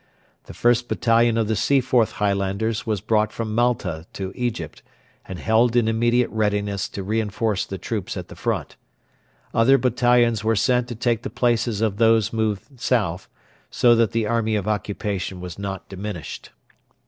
The 1st Battalion of the Seaforth Highlanders was brought from Malta to Egypt, and held in immediate readiness to reinforce the troops at the front. Other battalions were sent to take the places of those moved south, so that the Army of Occupation was not diminished.